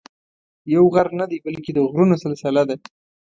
یو غر نه دی بلکې د غرونو سلسله ده.